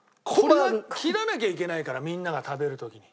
切らなきゃいけないからみんなが食べる時に。